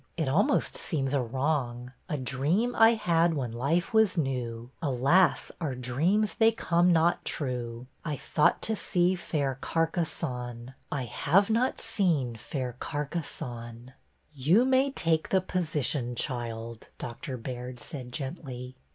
It almost seems a wrong — A dream I had when life was new ; Alas, our dreams they come not true ; I thought to see fair Carcassonne ! I have not seen fair Carcassonne !" You may take the position, child," Dr. Baird said gently.